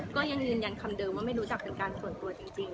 ก็ยังยืนยันคำเดิมว่าไม่รู้จักเป็นการส่วนตัวจริง